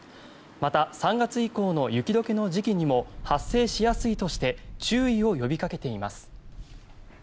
また、３月以降の雪解けの時期にも発生しやすいとして注意を呼びかけています。